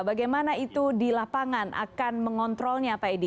bagaimana itu di lapangan akan mengontrolnya pak edi